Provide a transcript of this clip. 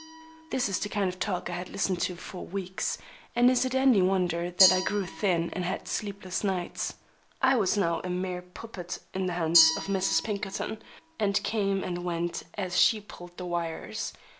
This is the kind of talk I had to listen to for weeks, and is it any wonder that I grew thin and had sleepless nights? I was now a mere puppet in the hands of Mrs. Pinkerton, and came and went as she pulled the wires.